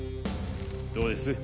どうです？